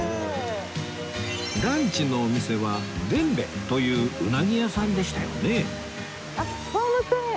ランチのお店は傳米といううなぎ屋さんでしたよね？